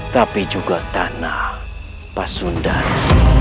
tapi juga tanah pasundara